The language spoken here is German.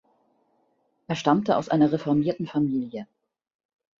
Er stammte aus einer reformierten Familie.